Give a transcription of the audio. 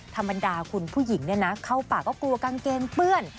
ธรรมดาคุณผู้หญิงเนี่ยนะเข้าปากก็กลัวกางเกงเปื้อน